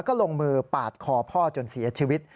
ก็ลงมือปาดคอพ่อจนเสียชีวิต